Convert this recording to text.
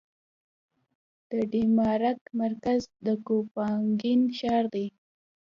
د ډنمارک مرکز د کوپنهاګن ښار دی